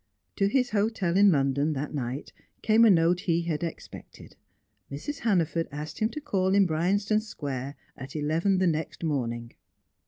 To his hotel in London, that night, came a note he had expected. Mrs. Hannaford asked him to call in Bryanston Square at eleven the next morning.